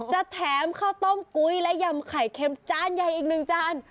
จะแถมข้าวต้มกุ้ยและยำไข่เค็มจานใหญ่อีกหนึ่งจาน